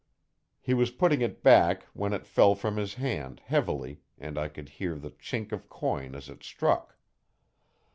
He was putting it back when it fell from his hand, heavily, and I could hear the chink of coin as it struck.